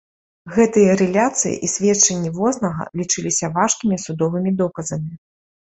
Гэтыя рэляцыі і сведчанні вознага лічыліся важкімі судовымі доказамі.